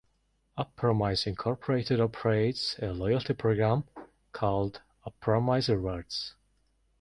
Upromise Incorporated operates a loyalty program called Upromise Rewards.